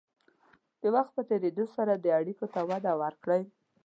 د وخت په تېرېدو سره دې اړیکو ته وده ورکړئ.